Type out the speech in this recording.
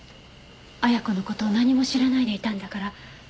亜矢子の事を何も知らないでいたんだから。